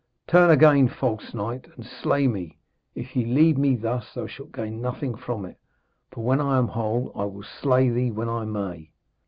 'Turn again, false knight, and slay me! If ye leave me thus, thou shalt gain nothing from it, for when I am whole I will slay thee when I may.'